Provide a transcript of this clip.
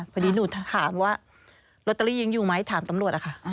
พอดีหนูถามว่าลอตเตอรี่ยังอยู่ไหมถามตำรวจอะค่ะ